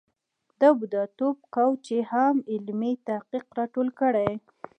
د بوډاتوب کوچ یې هم علمي تحقیق را ټول کړی.